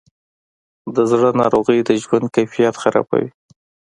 د زړه ناروغۍ د ژوند کیفیت خرابوي.